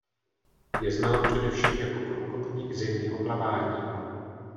Je znám především jako průkopník zimního plavání.